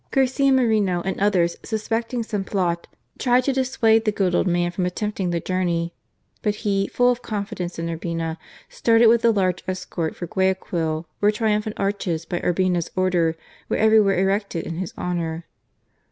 Garcia Moreno and others suspecting some plot, tried to dissuade the good old man from attempting the journey. But he, full of confidence in Urbina, started with a large escort for Guayaquil, where triumphant arches, by Urbina's order, were every where erected in his honour.